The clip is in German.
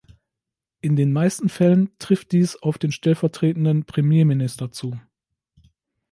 In den meisten Fällen trifft dies auf den stellvertretenden Premierminister zu.